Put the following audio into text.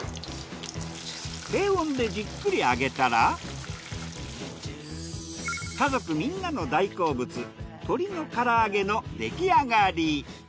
低温でじっくり揚げたら家族みんなの大好物鶏のから揚げの出来上がり。